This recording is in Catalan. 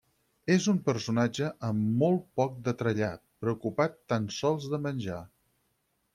És un personatge amb molt poc de trellat, preocupat tan sols de menjar.